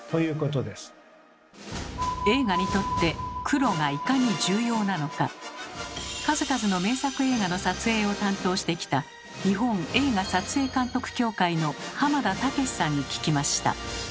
映画にとって「黒」がいかに重要なのか数々の名作映画の撮影を担当してきた日本映画撮影監督協会の浜田毅さんに聞きました。